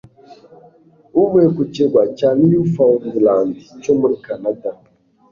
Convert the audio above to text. uvuye ku kirwa cya Newfoundland cyo muri Canada,